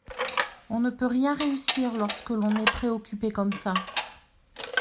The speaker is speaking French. On ne peut rien réussir lorsque l’on est préoccupé comme ça.